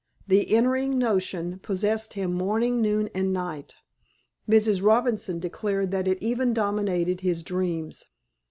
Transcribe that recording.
The entrancing notion possessed him morning, noon, and night. Mrs. Robinson declared that it even dominated his dreams.